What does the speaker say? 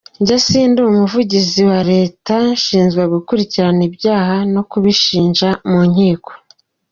Njye sindi umuvugizi wa Leta, nshinzwe gukurikirana ibyaha no kubishinja mu nkiko.”